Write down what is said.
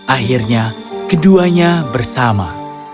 akhirnya keduanya bersama